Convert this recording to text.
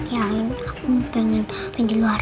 ya nmin aku mau pengen main di luar